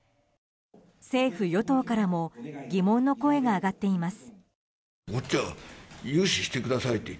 政府・与党からも疑問の声が上がっています。